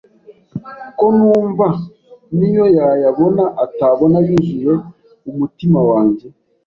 ko numva n’iyo yayabona atabona ayuzuye umutima wanjye,